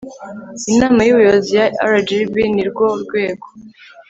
Inama y Ubuyobozi ya RGB ni rwo rwego